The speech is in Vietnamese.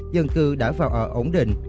dân cư đã vào ở ổn định